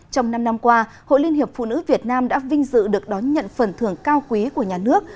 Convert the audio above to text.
trong năm năm qua hội liên hiệp phụ nữ việt nam đã vinh dự được đón nhận phần thưởng cao quý của nhà nước